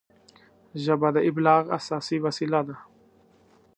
ژبه د ابلاغ اساسي وسیله ده